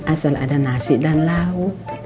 asal ada nasi dan lauk